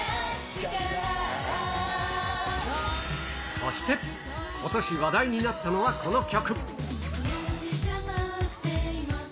そして、ことし話題になったのはこの曲。